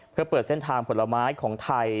เพื่อเปิดเส้นทางผลไม้ของไทย